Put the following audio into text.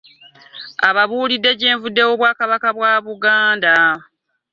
Ababuulidde gyenvudde w'obwakabaka bwa Buganda